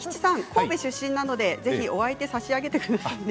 神戸出身なのでぜひお相手して差し上げてくださいと。